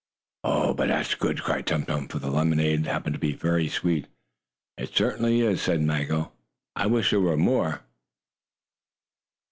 "Oh, but that's good!" cried Tum Tum, for the lemonade happened to be very sweet. "It certainly is," said Maggo. "I wish there were more."